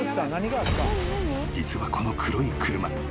［実はこの黒い車］